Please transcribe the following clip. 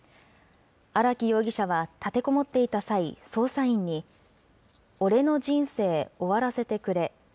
荒木容疑者は立てこもっていた際、捜査員に、俺の人生終わらせてくれ。